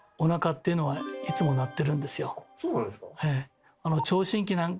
そうなんですか。